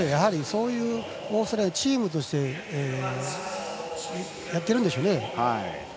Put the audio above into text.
そういうオーストラリアはチームとしてやっているんでしょうね。